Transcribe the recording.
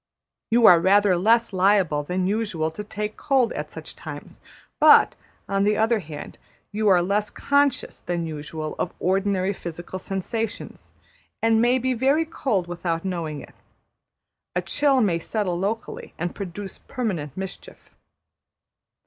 You are rather less liable than usual to take cold at such times; but, on the other hand, you are less conscious than usual of ordinary physical sensations, and may be very cold without knowing it. A chill may settle locally, and produce permanent mischief.